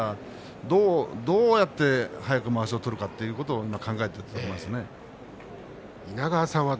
どうやって早くまわしを取るかということを考えていると思います。